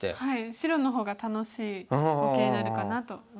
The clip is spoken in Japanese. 白の方が楽しい碁形になるかなと思います。